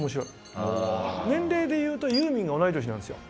「年齢でいうとユーミンが同い年なんですよ」